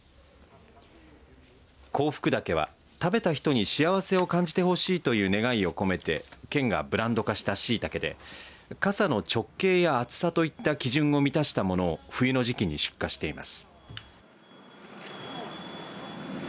香福茸は食べた人に幸せを感じてほしいという願いを込めて県がブランド化した、しいたけで傘の直径や厚さといった基準を満たしたものを冬の時期に出荷しています。